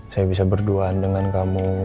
saya bisa berduaan dengan kamu